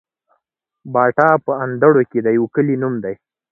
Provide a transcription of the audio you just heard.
باټا په اندړو کي د يو کلي نوم دی